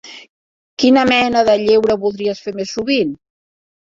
Quina mena de lleure voldries fer més sovint?